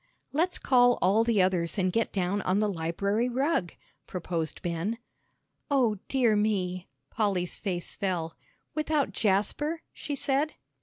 "Let's call all the others and get down on the library rug," proposed Ben. "O dear me!" Polly's face fell. "Without Jasper?" she said.